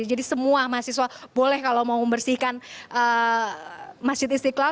jadi semua mahasiswa boleh kalau mau membersihkan masjid istiqlal